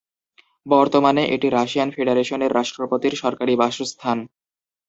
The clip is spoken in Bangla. বর্তমানে এটি রাশিয়ান ফেডারেশনের রাষ্ট্রপতির সরকারি বাসস্থান।